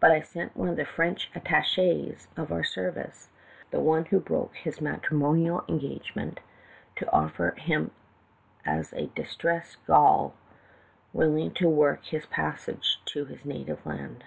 But I sent one of the French attaches of of our service (the one who broke his matrimonial engagement) to offer himself as a distressed Gaul willing to work his passage to his native land.